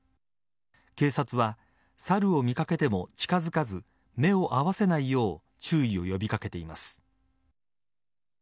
警察はサルを見かけても近付かず目を合わせないよう注意を呼び掛けています。